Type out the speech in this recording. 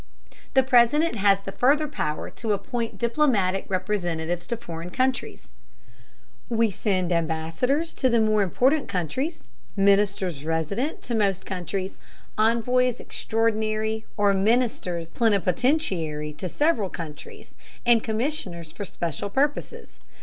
The President has the further power to appoint diplomatic representatives to foreign countries. We send ambassadors to the more important countries, ministers resident to most countries, envoys extraordinary or ministers plenipotentiary to several countries, and commissioners for special purposes.